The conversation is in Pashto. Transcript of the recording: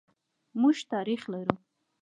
موږ تاریخ لرو.